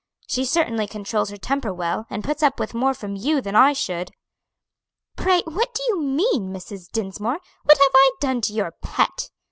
She certainly controls her temper well, and puts up with more from you than I should." "Pray, what do you mean, Mrs. Dinsmore? what have I done to your pet?"